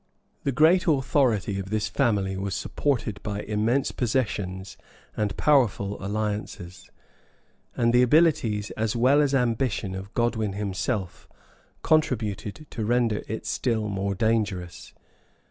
The great authority of this family was supported by immense possessions and powerful alliances; and the abilities, as well as ambition of Godwin himself, contributed to render it still more dangerous.